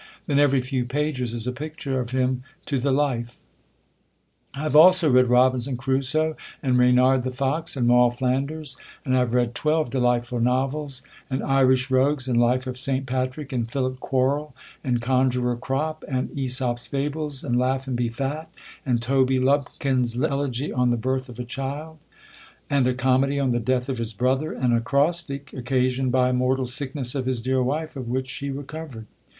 Then, every few pages, is a picture of him to the life. I have also read Robinson Crusoe, and Reynard the fox, and Moll Flanders ; and I have read twelve de lightful novels, and Irish Rogues, and Life of Saint Patrick, and Philip Quarle, and Conjuror Crop, and ^sop's Fables, and Laugh and be fat, and Toby Lump kin's Elegy on the Birth of a Child, and a Comedy on the Death of his Brother, and an Acrostic, occasioned by a mortal sickness of his dear wife, of which she re covered.